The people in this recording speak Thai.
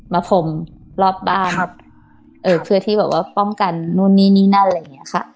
พรมรอบบ้านเพื่อที่แบบว่าป้องกันนู่นนี่นี่นั่นอะไรอย่างเงี้ยค่ะ